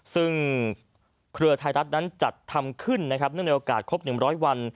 ซึ่งเครือไทยรัฐนั้นจัดทำขึ้นนะครับเนื่องในโอกาสครบ๑๐๐วัน